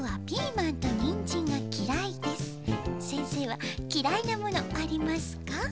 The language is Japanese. せんせいはきらいなものありますか？」。